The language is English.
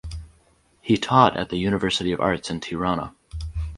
He taught at the University of Arts in Tirana.